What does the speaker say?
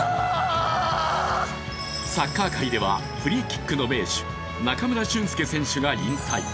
サッカー界ではフリーキックの名手、中村俊輔選手が引退。